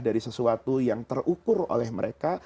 dari sesuatu yang terukur oleh mereka